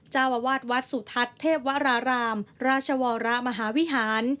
เจ้าอาวาสวัดสุทัศน์เทพวรารามราชวรมหาวิหาร